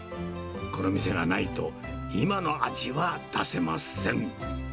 この店がないと、今の味は出せません。